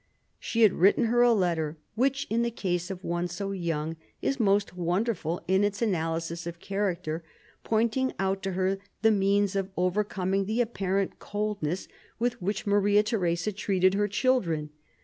She had written her a letter, which, in 'the case of one so young, is most wonderful in its analysis of character, pointing out to her the means of overcoming the apparent coldness with which Maria Theresa treated her children.